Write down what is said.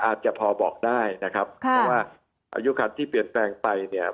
อาจจะพอบอกได้นะครับค่ะเพราะว่าอายุคันที่เปลี่ยนแปลงไปเนี่ย